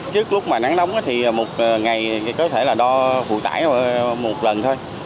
trước lúc nắng nóng thì một ngày có thể đo phụ tải một lần thôi